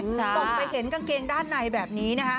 ส่งไปเห็นกางเกงด้านในแบบนี้นะคะ